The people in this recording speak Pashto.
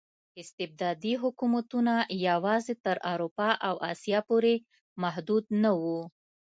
استبدادي حکومتونه یوازې تر اروپا او اسیا پورې محدود نه وو.